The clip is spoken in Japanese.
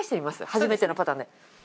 初めてのパターンで。